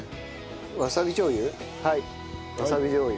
わさびじょう油？